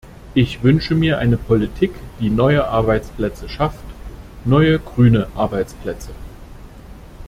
Ich wünsche mir eine Politik, die neue Arbeitsplätze schafft neue grüne Arbeitsplätze.